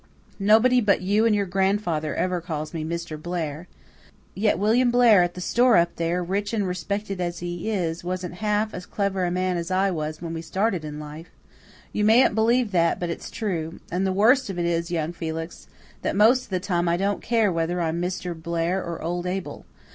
Nobody but you and your grandfather ever calls me 'Mr. Blair.' Yet William Blair at the store up there, rich and respected as he is, wasn't half as clever a man as I was when we started in life: you mayn't believe that, but it's true. And the worst of it is, young Felix, that most of the time I don't care whether I'm Mr. Blair or old Abel.